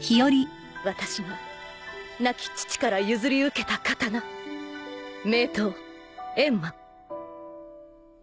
私が亡き父から譲り受けた刀名刀閻魔